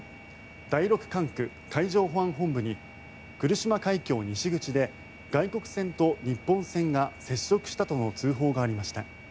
第六管区海上保安本部に来島海峡西口で外国船と日本船が接触したとの通報がありました。